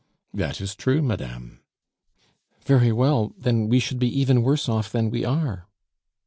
"That is true, madame." "Very well, then we should be even worse off than we are."